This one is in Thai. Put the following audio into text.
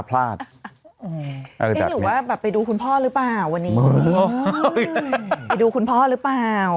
หรือว่าแบบไปดูคุณพ่อหรือเปล่าวันนี้ไปดูคุณพ่อหรือเปล่า